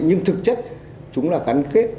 nhưng thực chất chúng là gắn kết